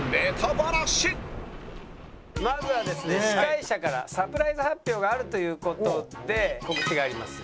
まずはですね司会者からサプライズ発表があるという事で告知が入ります。